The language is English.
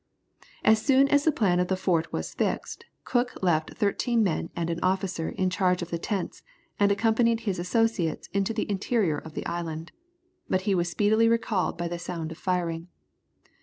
As soon as the plan of the fort was fixed, Cook left thirteen men and an officer in charge of the tents, and accompanied his associates into the interior of the island. But he was speedily recalled by the sound of firing.